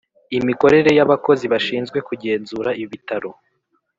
imikorere y abakozi bashinzwe kugenzura ibitaro